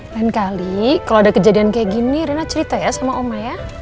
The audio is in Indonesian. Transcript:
lain kali kalau ada kejadian kayak gini rina cerita ya sama oma ya